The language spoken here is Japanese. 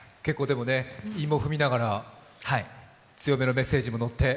韻を踏みながら強めのメッセージものって。